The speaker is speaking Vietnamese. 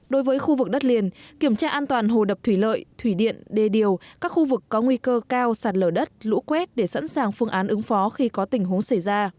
đối với khu vực đất liền kiểm tra an toàn hồ đập thủy lợi thủy điện đê điều các khu vực có nguy cơ cao sạt lở đất lũ quét để sẵn sàng phương án ứng phó khi có tình huống xảy ra